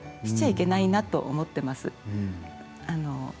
しちゃいけないなと思ってます。